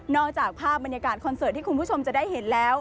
จากภาพบรรยากาศคอนเสิร์ตที่คุณผู้ชมจะได้เห็นแล้ว